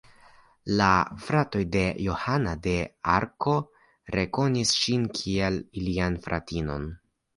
La fratoj de Johana de Arko rekonis ŝin kiel ilian fratinon.